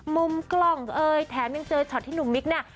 มุมกล้องเอ่ยแถมยังเจอช็อตที่หนุ่มมิ๊กน่ะ